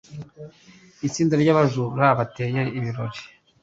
Itsinda ryabajura bateye ibirori.